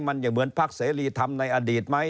มันยังเหมือนพักเสรีธรรมในอดีตไหม